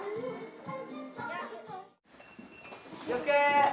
気を付け。